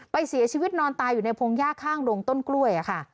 ไปเสียชีวิตนอนตายอยู่ในพงหญ้าข้างดงต้นกล้วยค่ะ